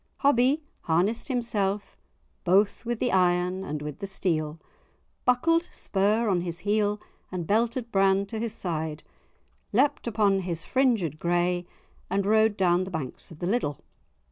Hobbie harnessed himself "both with the iron and with the steel," buckled spur on his heel and belted brand to his side, leaped upon his "fringed grey," and rode down the banks of the Liddel.